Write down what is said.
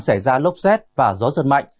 xảy ra lốc xét và gió giật mạnh